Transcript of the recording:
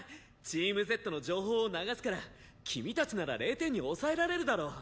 チームＺの情報を流すから君たちなら０点に抑えられるだろ？